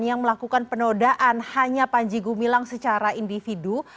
yang melakukan penodaan hanya panji gumilang secara individu